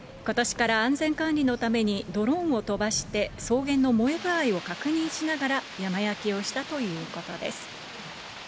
ことしから安全管理のために、ドローンを飛ばして、草原の燃え具合を確認しながら山焼きをしたということです。